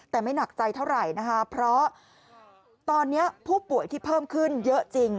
แต่ไม่หนักใจเท่าไหร่นะคะเพราะตอนนี้ผู้ป่วยที่เพิ่มขึ้นเยอะจริง